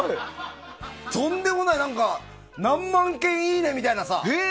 とんでもない何万件いいねみたいなさ。